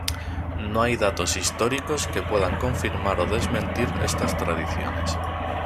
No hay datos históricos que puedan confirmar o desmentir estas tradiciones.